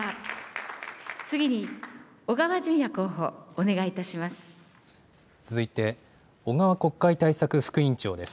次に小川淳也候補、お願いいたします。